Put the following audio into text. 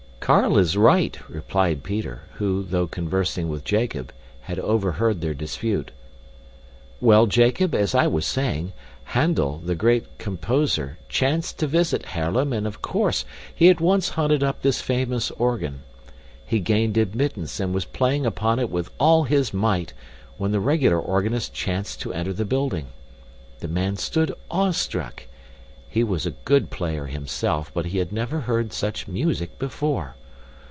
"Carl is right," replied Peter, who, though conversing with Jacob, had overheard their dispute. "Well, Jacob, as I was saying, Handel, the great composer, chanced to visit Haarlem and, of course, he at once hunted up this famous organ. He gained admittance and was playing upon it with all his might when the regular organist chanced to enter the building. The man stood awestruck. He was a good player himself, but he had never heard such music before.